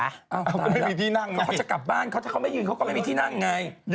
เขาถามถามเอาว่าเขาจะกลับบ้านถ้าเขาไม่ยืนเขาก็ไม่มีที่นั่งไง